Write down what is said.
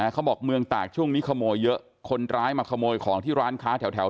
เมืองตากช่วงนี้ขโมยเยอะคนร้ายมาขโมยของที่ร้านค้าแถว